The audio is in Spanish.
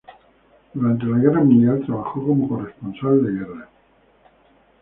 Durante la guerra mundial trabajó como corresponsal de guerra.